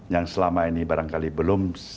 yang selama ini barangkali belum